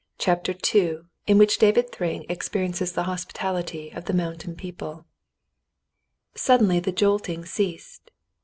CHAPTER II IN WHICH DAVID THRYNG EXPERIENCES THE HOSPITALITY OF THE MOUNTAIN PEOPLE Suddenly the jolting ceased.